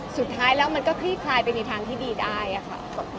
สุดท้ายแล้วมันก็คลี่คลายไปในทางที่ดีได้ค่ะ